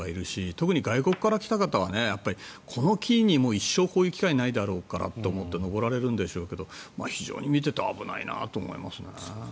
特に外国から来た方はこの機に、一生こういう機会ないからと思って登られるんでしょうが、非常に見ていて危ないなと思いますね。